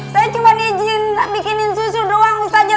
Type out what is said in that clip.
saya cuma diizinkan bikinin susu doang ustazah